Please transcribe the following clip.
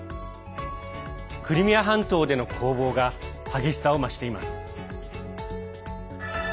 クリミア半島での攻防が激しさを増しています。